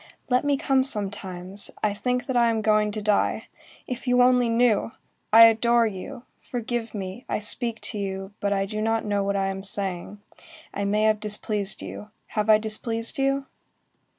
Let me come sometimes; I think that I am going to die. If you only knew! I adore you. Forgive me, I speak to you, but I do not know what I am saying; I may have displeased you; have I displeased you?"